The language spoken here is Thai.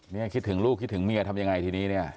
นี่คิดถึงลูกคิดถึงเมียทำยังไงทีนี้เนี่ย